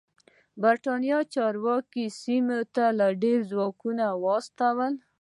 برېتانوي چارواکو سیمې ته لا ډېر ځواکونه واستول.